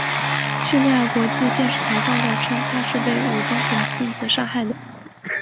叙利亚国家电视台报道称他是被武装恐怖分子杀害的。